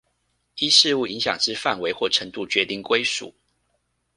依事務影響之範圍或程度決定歸屬